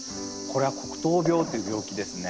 これは黒とう病っていう病気ですね。